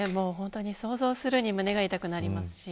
想像するに胸が痛くなります。